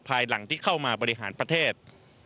ภายหลังที่เข้ามาบริหารประเทศ